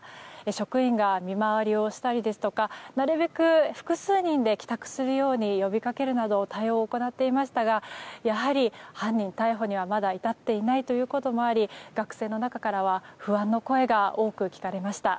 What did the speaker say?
職員が見回りをしたりですとかなるべく複数人で帰宅するように呼びかけるなど対応を行っていましたがやはり犯人逮捕には至っていないということもあり学生の中からは不安の声が多く聞かれました。